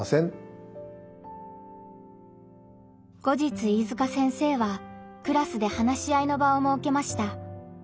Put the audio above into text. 後日飯塚先生はクラスで話し合いの場をもうけました。